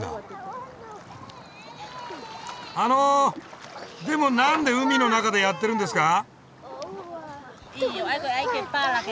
あのでもなんで海の中でやってるんですか？